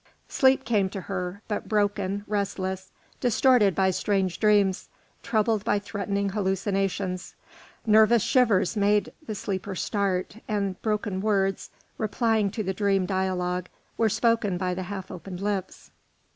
Sleep came to her, but broken, restless, distorted by strange dreams, troubled by threatening hallucinations; nervous shivers made the sleeper start, and broken words, replying to the dream dialogue, were spoken by the half opened lips.